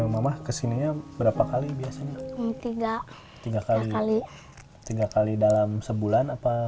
mama kesininya berapa kali biasanya ini tidak tinggal sekali tigak kali dalam sebulan apakah